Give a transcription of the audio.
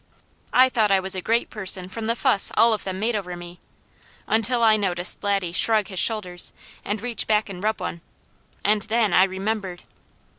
I thought I was a great person from the fuss all of them made over me, until I noticed Laddie shrug his shoulders, and reach back and rub one, and then I remembered.